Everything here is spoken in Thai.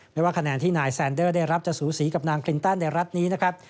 ไม่ว่าคะแนนที่นายแซนเดอร์ได้รับจะสูสีกับนางคลินตันในรัฐนี้นะครับ